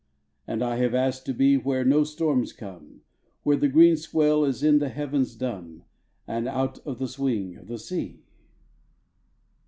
And I have asked to be Where no storms come, Where the green swell is in the havens dumb, And out of the swing of the sea.